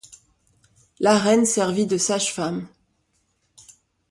La reine servit de sage femme.